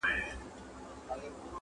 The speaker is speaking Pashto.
• بس دعوه یې بې له شرطه و ګټله..